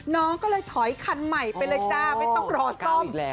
น้องก็เลยถอยคันใหม่ไปเลยจ้าไม่ต้องรอซ่อม